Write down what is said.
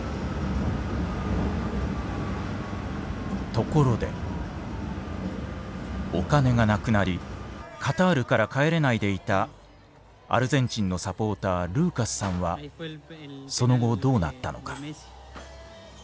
ところでお金がなくなりカタールから帰れないでいたアルゼンチンのサポータールーカスさんはその後どうなったのか。